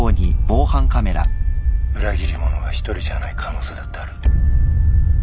裏切り者は一人じゃない可能性だってある。